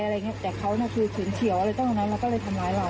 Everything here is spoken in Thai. เราก็เลยทำร้ายเลย